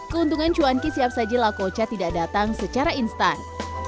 keuntungan cuan kisiap saji lakoca tidak datang secara instan